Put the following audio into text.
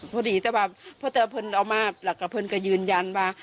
พอดีพ่อเพื่อนก็ยืนยัญว่า